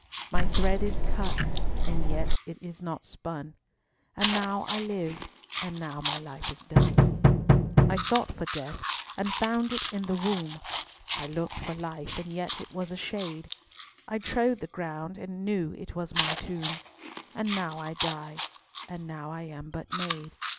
My thread is cut, and yet it is not spun; And now I live, and now my life is done. I sought for death, and found it in the wombe; I lookt for life, and yet it was a shade; I trode the ground, and knew it was my tombe, And now I dye, and now I am but made.